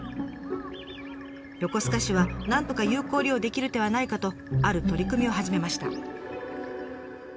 横須賀市はなんとか有効利用できる手はないかとある取り組みを始めました。